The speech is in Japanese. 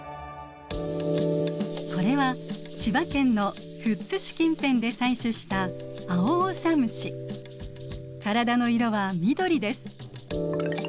これは千葉県の富津市近辺で採取した体の色は緑です。